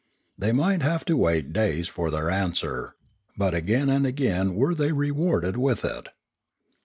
They might have to wait days for their answer; but again and again were they rewarded with it.